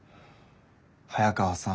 早川さん。